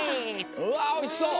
うわおいしそう！